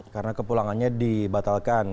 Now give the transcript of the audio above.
karena kepulangannya dibatalkan